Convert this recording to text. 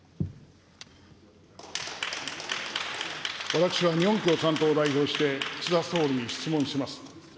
私は日本共産党を代表して岸田総理に質問します。